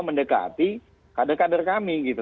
mendekati kader kader kami